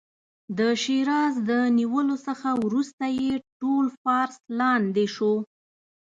د شیراز د نیولو څخه وروسته یې ټول فارس لاندې شو.